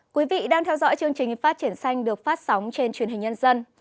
quý vị đang theo dõi chương trình phát triển xanh được phát sóng trên truyền hình nhân dân